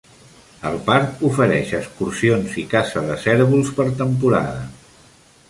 El parc ofereix excursions i caça de cérvols per temporada.